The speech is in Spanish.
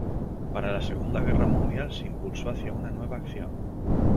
Para la segunda guerra mundial se impulsó hacia una nueva acción.